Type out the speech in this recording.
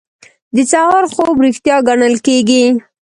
د سهار خوب ریښتیا ګڼل کیږي.